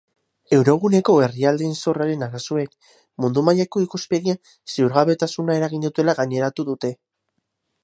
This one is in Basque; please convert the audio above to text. Euroguneko herrialdeen zorraren arazoek mundu mailako ikuspegian ziurgabetasuna eragin dutela gaineratu dute.